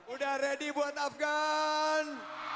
udah ready buat afgan